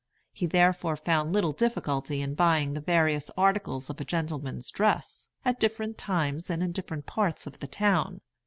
He therefore found little difficulty in buying the various articles of a gentleman's dress, at different times and in different parts of the town.